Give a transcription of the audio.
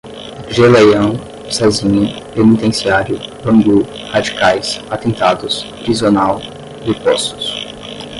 Geleião, Cesinha, Penitenciário, Bangu, radicais, atentados, prisional, depostos